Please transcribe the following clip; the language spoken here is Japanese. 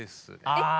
ああ。